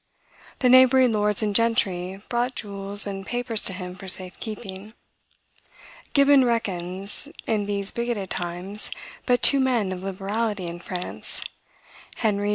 The neighboring lords and gentry brought jewels and papers to him for safekeeping. Gibbon reckons, in these bigoted times, but two men of liberality in France, Henry IV.